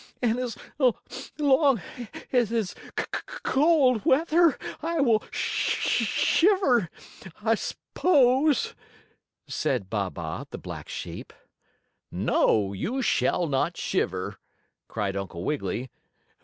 And as long as it is cold weather I will shiver, I suppose," said Baa baa, the black sheep. "No, you shall not shiver!" cried Uncle Wiggily.